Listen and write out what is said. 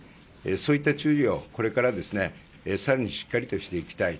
そういった注意をこれから更にしっかりとしていきたい